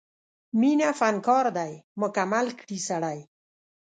مینه فنکار دی مکمل کړي سړی